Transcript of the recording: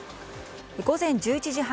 午前１１時半